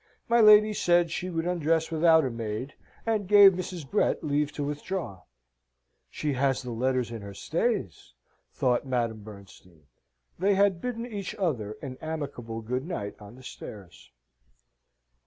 My lady said she would undress without a maid, and gave Mrs. Brett leave to withdraw. "She has the letters in her stays," thought Madame Bernstein. They had bidden each other an amicable good night on the stairs.